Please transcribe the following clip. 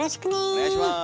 お願いします。